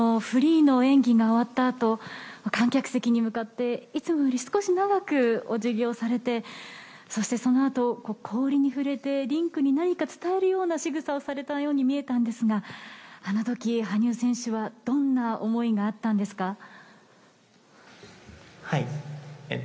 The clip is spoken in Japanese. フリーの演技が終わったあと、観客席に向かって、いつもより少し長くおじぎをされて、そしてそのあと、氷に触れて、リンクに何か伝わるようなしぐさをされたように見えたんですが、あのとき、羽生選手はどんな思いがあったんですか？